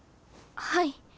はい。